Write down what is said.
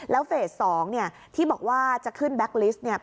แล้วเฟส๒เนี่ยที่บอกว่าจะขึ้นแบ็คลิสต์เนี่ย